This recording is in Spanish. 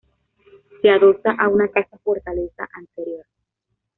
Se adosa a una casa-fortaleza anterior.